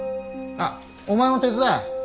あっお前も手伝え。